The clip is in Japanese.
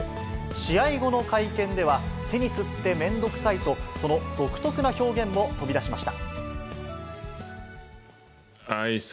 試合後の会見では、テニスって面倒くさいと、その独特な表現も飛び出しました。